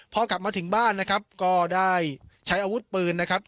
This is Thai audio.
พอกลับมาถึงบ้านนะครับก็ได้ใช้อาวุธปืนนะครับ